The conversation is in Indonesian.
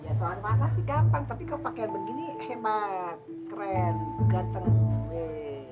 ya soal warna sih gampang tapi kalau pake begini hemat keren ganteng